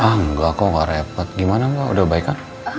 ah enggak kok gak repot gimana mbak udah baik kan